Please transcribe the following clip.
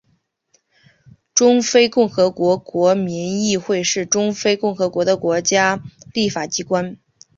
中非共和国国民议会是中非共和国的国家立法机关。